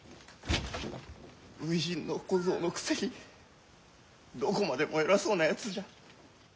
初陣の小僧のくせにどこまでも偉そうなやつじゃ。